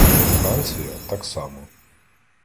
Франція — так само.